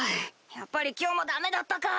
やっぱり今日もダメだったか。